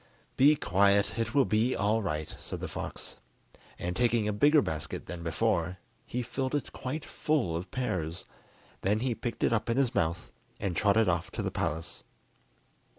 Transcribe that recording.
"Be quiet, it will be all right," said the fox; and taking a bigger basket than before, he filled it quite full of pears. Then he picked it up in his mouth, and trotted off to the palace.